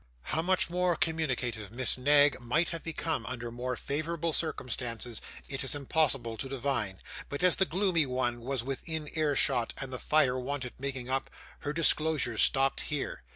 How much more communicative Miss Knag might have become under more favourable circumstances, it is impossible to divine, but as the gloomy one was within ear shot, and the fire wanted making up, her disclosures stopped here.